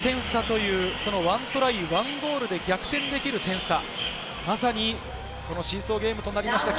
６点差という１トライ、１ゴールで逆転できる点差、まさにシーソーゲームとなりました